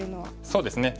そうですね。